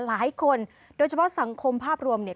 หลายคนโดยเฉพาะสังคมภาพรวมเนี่ย